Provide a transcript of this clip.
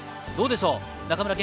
どうでしょう？